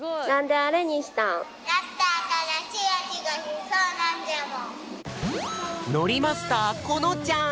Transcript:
だってのりマスターこのちゃん。